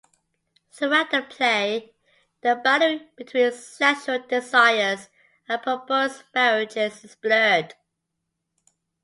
Throughout the play, the boundary between sexual desires and proposed marriages is blurred.